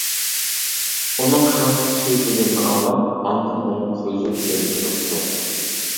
ئۇنىڭ خەنزۇچە سۆزلىگىنىنى ئاڭلاپ، ئاندىن ئۇنىڭ خۇيزۇ ئىكەنلىكىنى ئۇقتۇق.